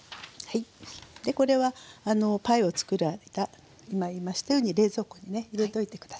これはパイをつくる間今言いましたように冷蔵庫にね入れておいて下さい。